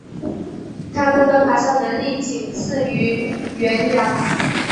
它们的爬山能力仅次于羱羊。